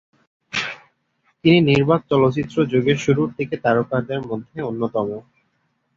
তিনি নির্বাক চলচ্চিত্র যুগের শুরুর দিকের তারকাদের মধ্যে অন্যতম।